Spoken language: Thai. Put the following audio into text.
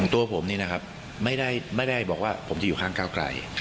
ตัวผมนี่นะครับไม่ได้บอกว่าผมจะอยู่ข้างก้าวไกล